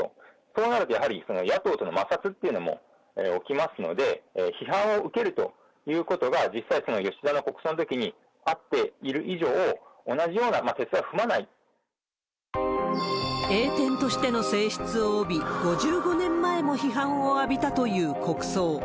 そうなると、やはり野党との摩擦っていうのも起きますので、批判を受けるということが実際、吉田の国葬のときにあっている以上、栄典としての性質を帯び、５５年前も批判を浴びたという国葬。